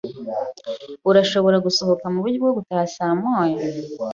Urashobora gusohoka muburyo bwo gutaha saa moya.